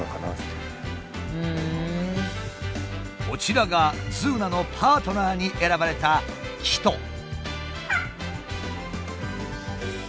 こちらがズーナのパートナーに選ばれたキト。